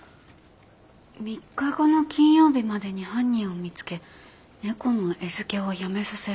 「３日後の金曜日までに犯人を見つけ猫の餌付けをやめさせること。